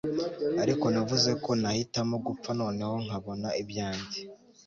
ariko navuze ko nahitamo gupfa noneho nkabona ibyanjye